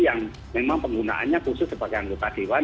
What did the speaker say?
yang memang penggunaannya khusus sebagai anggota dewan